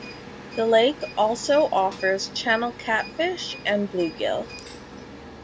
The lake also offers channel catfish and bluegill.